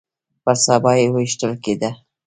پر سبا يې ويشتل کېده.